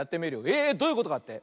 えどういうことかって？